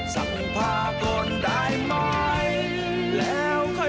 สั่งผ้ากลได้ไหม